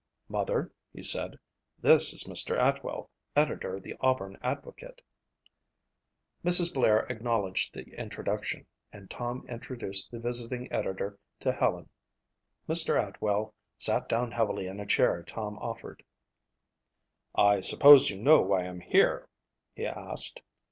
"Mother," he said, "this is Mr. Atwell, editor of the Auburn Advocate." Mrs. Blair acknowledged the introduction and Tom introduced the visiting editor to Helen. Mr. Atwell sat down heavily in a chair Tom offered. "I suppose you know why I'm here?" he asked.